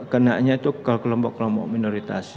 kenanya itu ke kelompok kelompok minoritas